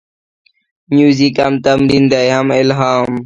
موزیک هم تمرین دی، هم الهام.